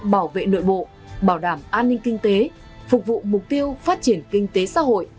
bảo vệ nội bộ bảo đảm an ninh kinh tế phục vụ mục tiêu phát triển kinh tế xã hội